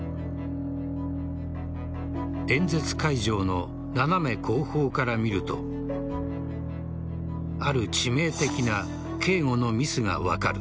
演説会場の斜め後方から見るとある致命的な警護のミスが分かる。